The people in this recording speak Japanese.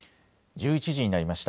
１１時になりました。